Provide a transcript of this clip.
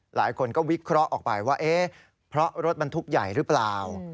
หลายคนก็วิเคราะห์ออกไปว่าเอ๊ะเพราะรถบรรทุกใหญ่หรือเปล่า